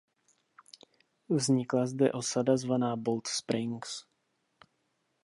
Vznikla zde osada zvaná Bold Springs.